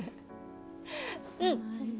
うん！